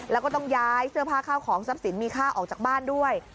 แล้วก็ต้องย้ายเสื้อผ้าข้าวของทรัพย์สินมีค่าออกจากบ้านด้วย